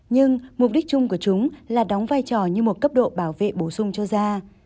nhưng mục đích chung của chúng là đóng vai trò như một cấp độ bảo vệ bổ sung cho da